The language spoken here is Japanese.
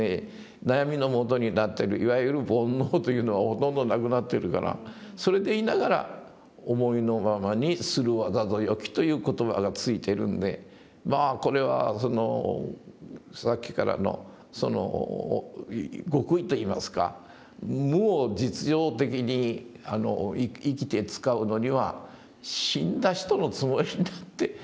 悩みのもとになってるいわゆる煩悩というのはほとんどなくなってるからそれでいながら「思いのままにするわざぞよき」という言葉が付いてるんでまあこれはさっきからのその極意といいますか無を実用的に生きて使うのには死んだ人のつもりになってやるといいのかなあと。